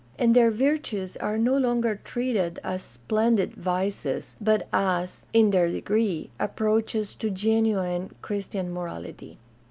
And their virtues are no longer treated as "splendid vices," but as, in their degree, approaches to genuine Christian morality.